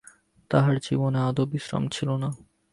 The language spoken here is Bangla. তাঁহার জীবনে আদৌ বিশ্রাম ছিল না।